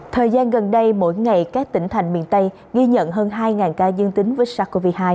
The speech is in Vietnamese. thời gian gần đây mỗi ngày các tỉnh thành miền tây ghi nhận hơn hai ca dương tính với sars cov hai